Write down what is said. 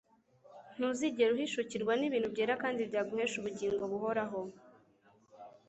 ntuzigera uhishukirwa n'ibintu byera kandi byaguhesha ubugingo buhoraho